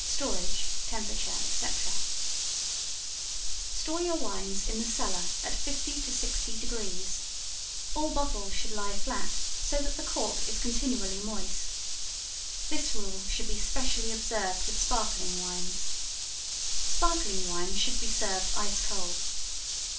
Storage, Temperature, Etc. Store your wines in the cellar at 50 to 60 degrees. All bottles should lie flat so that the cork is continually moist. This rule should be specially observed with sparkling wines. Sparkling wine should be served ice cold.